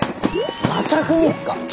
またふみっすか？